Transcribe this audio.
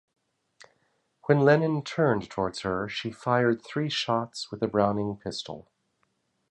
When Lenin turned towards her, she fired three shots with a Browning pistol.